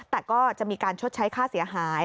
แต่ก็จะมีการชดใช้ค่าเสียหาย